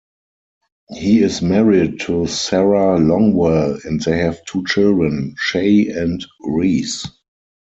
He is married to Sarah Longwell, and they have two children, Shaye and Reece.